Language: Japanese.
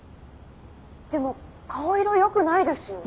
でも顔色良くないですよ。